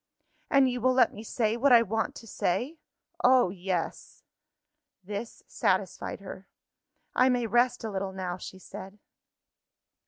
"And you will let me say, what I want to say?" "Oh, yes!" This satisfied her. "I may rest a little now," she said.